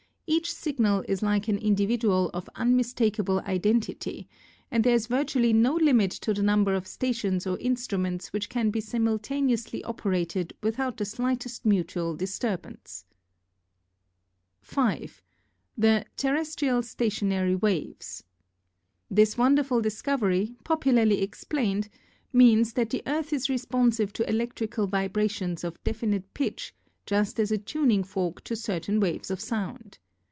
Each signal is like an individual of unmistakable identity and there is virtually no limit to the number of stations or instruments which can be simultaneously operated without the slightest mutual disturbance. "5. The terrestial Stationary Waves." This wonderful discovery, popularly explained, means that the Earth is responsive to electrical vibrations of definite pitch just as a tuning fork to certain waves of sound.